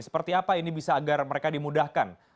seperti apa ini bisa agar mereka dimudahkan